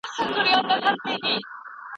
که لارښود عالم نه وي شاګرد به ورک سي.